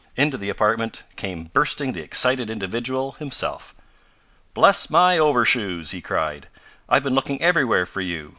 Into the apartment came bursting the excited individual himself. "Bless my overshoes!" he cried, "I've been looking everywhere for you!